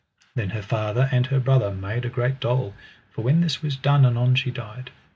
Then her father and her brother made great dole, for when this was done anon she died.